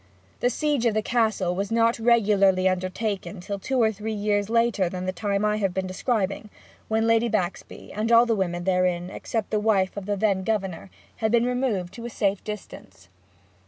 The siege of the Castle was not regularly undertaken till two or three years later than the time I have been describing, when Lady Baxby and all the women therein, except the wife of the then Governor, had been removed to safe distance.